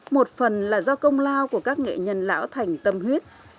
một phần là do công lao của các nghệ nhân lão thành tâm huyết